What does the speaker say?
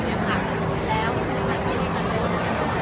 ช่องความหล่อของพี่ต้องการอันนี้นะครับ